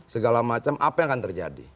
segala macam apa yang akan terjadi